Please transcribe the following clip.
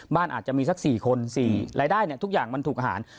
อาจจะมีสัก๔คน๔รายได้ทุกอย่างมันถูกอาหาร